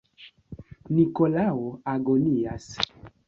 Nikolao agonias.